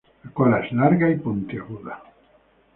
La cola es larga y puntiaguda.